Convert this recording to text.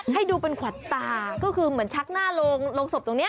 ให้ดูเป็นขวัญตาก็คือเหมือนชักหน้าโรงศพตรงนี้